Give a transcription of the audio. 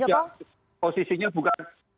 tidak posisinya bukan